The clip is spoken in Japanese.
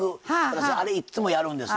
私、あれいっつもやるんですわ。